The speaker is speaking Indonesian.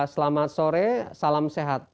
selamat sore salam sehat